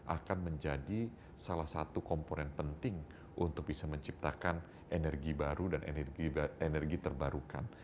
akan menjadi salah satu komponen penting untuk bisa menciptakan energi baru dan energi terbarukan